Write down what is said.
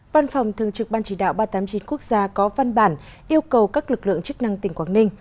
văn phòng thường trực ban chỉ đạo ba trăm tám mươi chín quốc gia có văn bản yêu cầu các lực lượng chức năng tỉnh quảng ninh